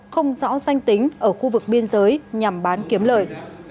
không rõ danh tính ở khu vực biên giới nhằm bán kiếm lời